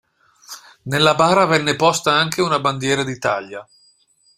Nella bara venne posta anche una bandiera d'Italia.